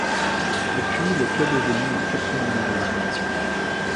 Depuis le club évolue en quatrième division nationale.